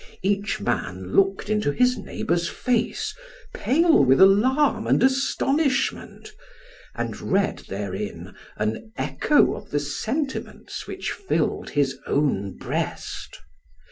Each man looked into his neighbour's face, pale with alarm and astonishment, and read therein an echo of the sentiments which filled his own breast.